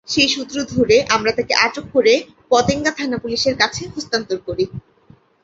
সেই সূত্র ধরে আমরা তাঁকে আটক করে পতেঙ্গা থানা-পুলিশের কাছে হস্তান্তর করি।